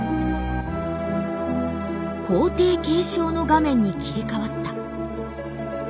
「皇帝継承」の画面に切り替わった。